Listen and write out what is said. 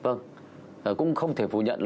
vâng cũng không thể phủ nhận